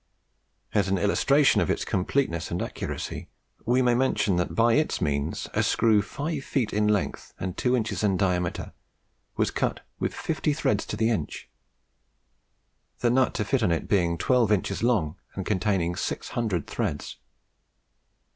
As an illustration of its completeness and accuracy, we may mention that by its means a screw five feet in length, and two inches in diameter, was cut with fifty threads to the inch; the nut to fit on to it being twelve inches long, and containing six hundred threads.